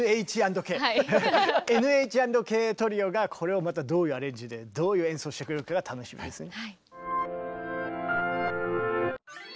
「ＮＨ＆ＫＴＲＩＯ」がこれをまたどういうアレンジでどういう演奏をしてくれるかが楽しみですね。